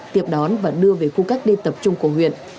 tiếp đón và đưa về khu cách đi tập trung của huyện